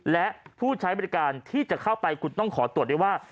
และผู้ใช้บริการที่จะเข้าไปคุณต้องขอตรวจได้ว่า